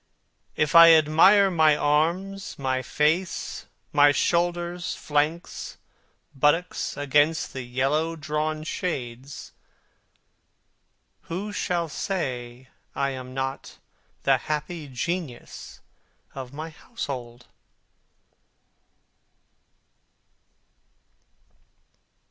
If I admire my arms, my face, my shoulders, flanks, buttocks against the yellow drawn shades, Who shall say I am not the happy genius of my household?